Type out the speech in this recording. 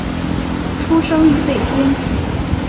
出生于北京。